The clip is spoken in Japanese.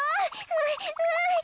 うんうん。